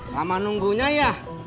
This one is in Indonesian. lama nunggunya ya